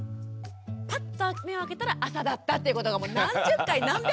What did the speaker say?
パッと目を開けたら朝だったってことが何十回何百回とあって。